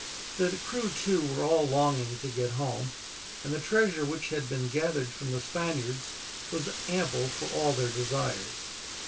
The crew, too, were all longing to get home, and the treasure which had been gathered from the Spaniards was ample for all their desires.